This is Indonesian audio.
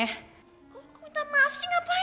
oh gue minta maaf sih ngapain